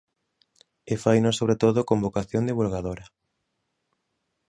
E faino sobre todo con vocación divulgadora.